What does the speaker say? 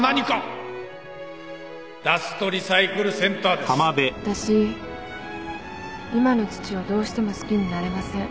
わたし今の父をどうしても好きになれません。